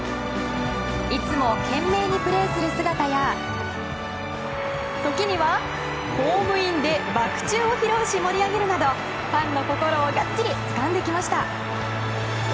いつも懸命にプレーする姿や時にはホームインでバク宙を披露し盛り上げるなどファンの心をがっちりつかんできました。